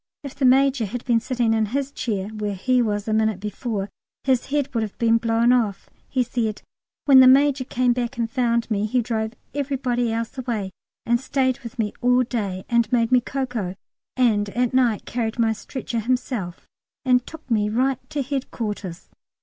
If the Major had been sitting in his chair where he was a minute before, his head would have been blown off. He said, "When the Major came back and found me, he drove everybody else away and stayed with me all day, and made me cocoa, and at night carried my stretcher himself and took me right to Headquarters."